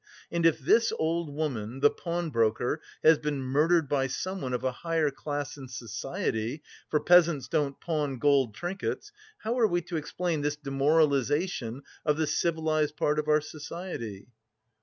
And if this old woman, the pawnbroker, has been murdered by someone of a higher class in society for peasants don't pawn gold trinkets how are we to explain this demoralisation of the civilised part of our society?"